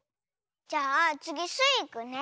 じゃあつぎスイいくね。